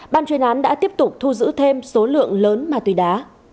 ban truyền án đã tiếp tục thu giữ thêm số lượng lớn ma tuy đá